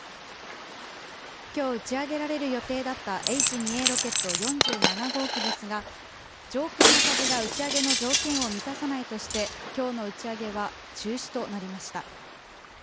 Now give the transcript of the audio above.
きょう打ち上げられる予定だったＨ２Ａロケット４７号機ですが、上空の風が打ち上げの条件を満たさないとして、きょうの打ち上げは中止となりました。